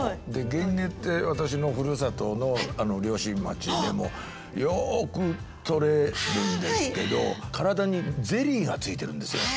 ゲンゲって私のふるさとの漁師町でもよくとれるんですけど体にゼリーがついてるんですよ。